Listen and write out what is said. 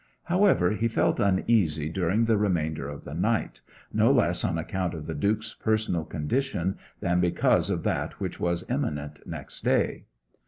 However, he felt uneasy during the remainder of the night, no less on account of the Duke's personal condition than because of that which was imminent next day.